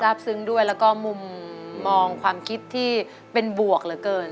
ซึ้งด้วยแล้วก็มุมมองความคิดที่เป็นบวกเหลือเกิน